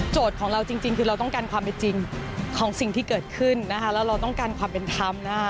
ของเราจริงคือเราต้องการความเป็นจริงของสิ่งที่เกิดขึ้นนะคะแล้วเราต้องการความเป็นธรรมนะคะ